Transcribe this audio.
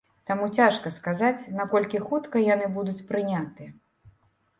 Таму цяжка сказаць, наколькі хутка яны будуць прынятыя.